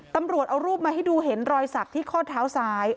ตำรวจเอารูปมาให้ดูเห็นรอยสักที่ข้อเท้าซ้าย